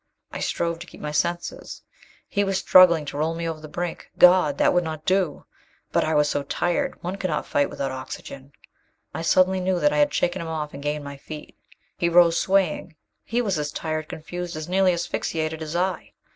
I strove to keep my senses. He was struggling to roll me over the brink. God, that would not do! But I was so tired. One cannot fight without oxygen! I suddenly knew that I had shaken him off and gained my feet. He rose, swaying. He was as tired, confused, as nearly asphyxiated as I.